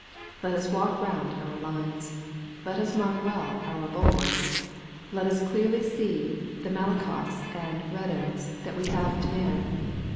Let us walk round our lines. Let us mark well our bulwarks. Let us clearly see the Malakhoffs and Redans that we have to man.